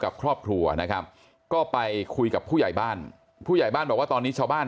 กับครอบครัวนะครับก็ไปคุยกับผู้ใหญ่บ้านผู้ใหญ่บ้านบอกว่าตอนนี้ชาวบ้าน